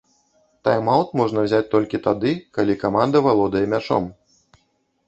Тайм-аўт можна узяць толькі тады, калі каманда валодае мячом.